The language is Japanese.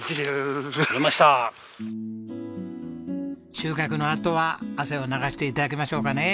収穫のあとは汗を流して頂きましょうかね。